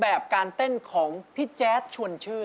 แบบการเต้นของพี่แจ๊ดชวนชื่น